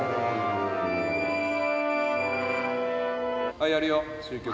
はいやるよ終曲。